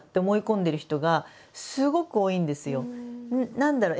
何だろう